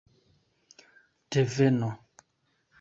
deveno